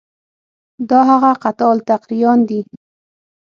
دا هغه قطاع الطریقان دي.